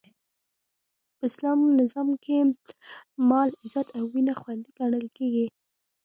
په اسلامي نظام کښي مال، عزت او وینه خوندي ګڼل کیږي.